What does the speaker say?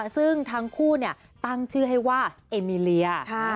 ซึ่งทั้งคู่ตั้งชื่อให้ว่าเอมิเลีย